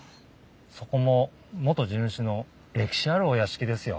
そこも元地主の歴史あるお屋敷ですよ。